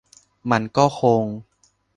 มันก็คง